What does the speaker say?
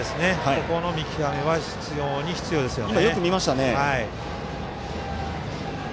そこの見極めは非常に必要ですね。